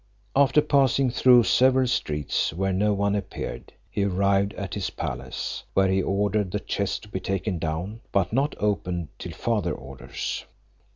After passing through several streets, where no one appeared, he arrived at his palace, where he ordered the chest to be taken down, but not opened till farther orders.